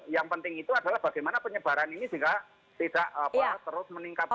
yang penting itu adalah bagaimana penyebaran ini sehingga tidak terus meningkat